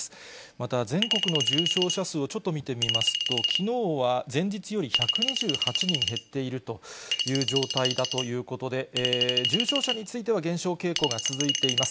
また全国の重症者数をちょっと見てみますと、きのうは前日より１２８人減っているという状態だということで、重症者については減少傾向が続いています。